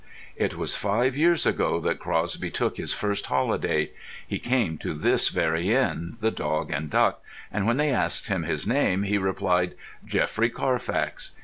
It was five years ago that Crosby took his first holiday. He came to this very inn, "The Dog and Duck," and when they asked him his name he replied "Geoffrey Carfax."